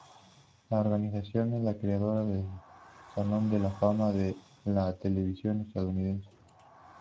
La organización es la creadora del Salón de la Fama de la Televisión Estadounidense.